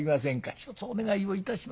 一つお願いをいたします」。